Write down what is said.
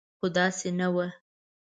خو داسې نه وه.